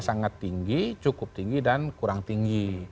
sangat tinggi cukup tinggi dan kurang tinggi